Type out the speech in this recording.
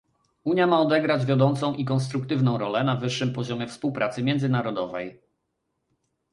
Unia ma odegrać wiodącą i konstruktywną rolę na wyższym poziomie współpracy międzynarodowej